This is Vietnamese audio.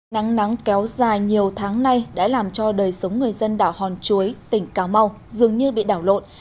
nắng nắng kéo dài nhiều tháng nay đã làm cho đời sống người dân đảo hòn chuối tỉnh cà mau dường như bị đảo lộn